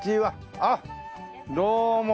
あっどうも。